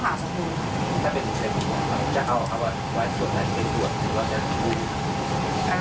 และเธอไปกับทางโรยที่ก่อน